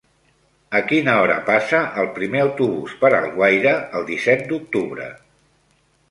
A quina hora passa el primer autobús per Alguaire el disset d'octubre?